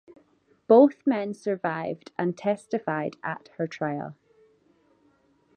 Both men survived and testified at her trial.